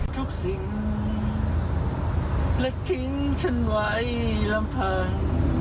ทุกสิ่งและทิ้งฉันไว้ลำพัง